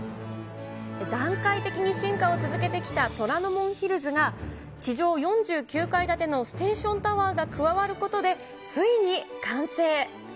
段階的に進化を続けてきた虎ノ門ヒルズが、地上４９階建てのステーションタワーが加わることで、ついに完成。